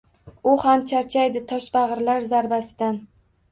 U ham charchaydi toshbagʻirlar zarbasidan.